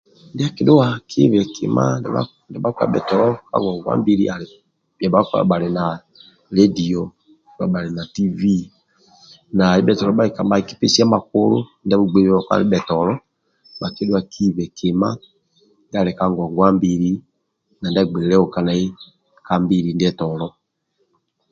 Ndia akidhuwa kibe kima ndia bhakpa ndibhetolo ka ngongwa mbili ali bhia bhakpa ndibha hali na ledio ndibha bhali na tivi na ndibhetolo bhakilikaga nibhakikipesia makulu ndia abhugbeibe bhakpa ndibhetolo bhakidhuwa kibe ndia ali ka ngongwa na ndia ali ka mbili ndie